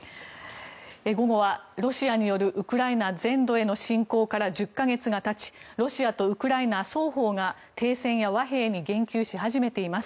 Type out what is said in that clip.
午後はロシアによるウクライナ全土への侵攻から１０か月がたちロシアとウクライナ双方が停戦や和平に言及し始めています。